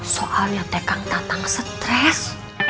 soalnya teh kang tatang stres